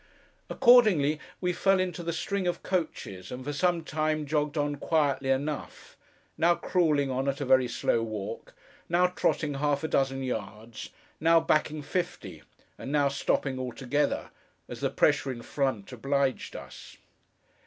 Accordingly, we fell into the string of coaches, and, for some time, jogged on quietly enough; now crawling on at a very slow walk; now trotting half a dozen yards; now backing fifty; and now stopping altogether: as the pressure in front obliged us.